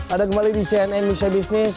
ada kembali di cnn indonesia business